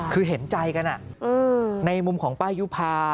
คือเห็นใจกันในมุมของป้ายุภา